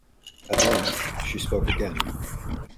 At length she spoke again.